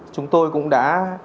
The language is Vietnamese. chúng tôi cũng đã